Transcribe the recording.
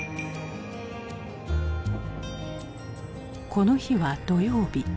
この日は土曜日。